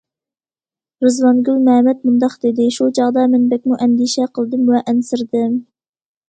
رىزۋانگۈل مەمەت مۇنداق دېدى: شۇ چاغدا مەن بەكمۇ ئەندىشە قىلدىم ۋە ئەنسىرىدىم.